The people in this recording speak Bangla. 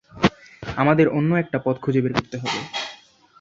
আমাদের অন্য একটা পথ খুঁজে বের করতে হবে।